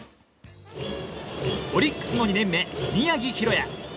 オリックスの２年目宮城大弥。